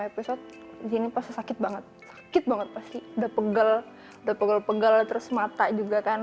episode ini pasti sakit banget sakit banget pasti udah pegal udah pegal pegal terus mata juga kan